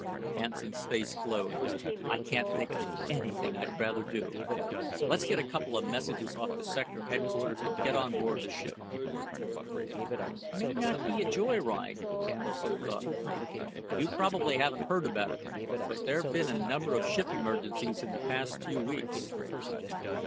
Hansen's face glowed. "I can't think of anything I'd rather do. Let's get a couple of messages off to Sector Headquarters and get on board ship." "It may not be any joy ride," Candle said thoughtfully. "You probably haven't heard about it, but there've been a number of ship emergencies in the past few weeks."